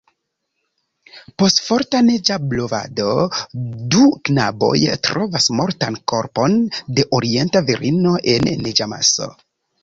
Post forta neĝa blovado, du knaboj trovas mortan korpon de orienta virino en neĝamaso.